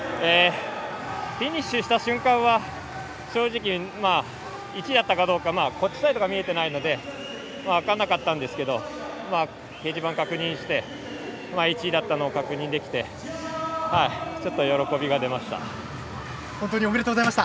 フィニッシュした瞬間は正直１位だったかどうか逆のサイドが見えてなかったので分からなかったんですけど掲示板を確認して１位だったのを確認できて本当におめでとうございました。